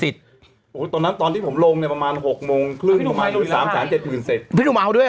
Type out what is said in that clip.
ตีห้าครึ่งแล้วไม่รู้สิ